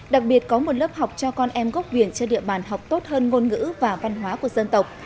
đặc biệt có một lớp học cho con em gốc việt trên địa bàn học tốt hơn ngôn ngữ và văn hóa của dân tộc